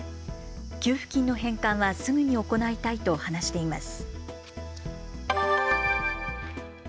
給付金の返還はすぐに行いたいと話しています。